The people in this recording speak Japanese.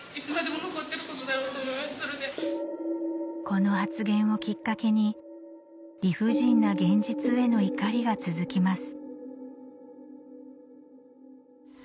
この発言をきっかけに理不尽な現実への怒りが続きます